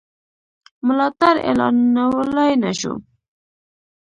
ملاتړ اعلانولای نه شو.